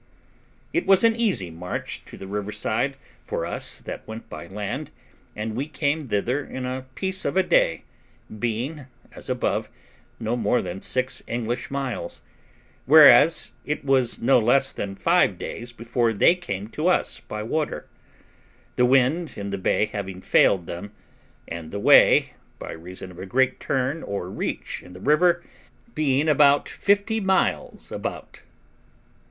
It was an easy march to the river side for us that went by land, and we came thither in a piece of a day, being, as above, no more than six English miles; whereas it was no less than five days before they came to us by water, the wind in the bay having failed them, and the way, by reason of a great turn or reach in the river, being about fifty miles about.